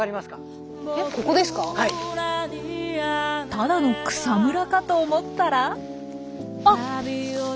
ただの草むらかと思ったら。